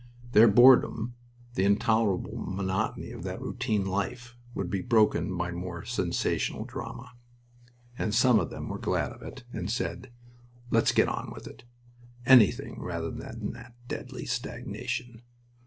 Their boredom, the intolerable monotony of that routine life, would be broken by more sensational drama, and some of them were glad of that, and said: "Let's get on with it. Anything rather than that deadly stagnation."